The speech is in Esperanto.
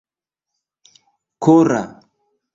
kora